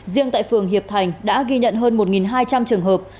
riêng tại phường hiệp thành đã ghi nhận hơn một hai trăm linh trường hợp